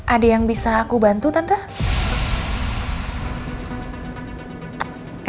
ada yang bisa aku bantu tante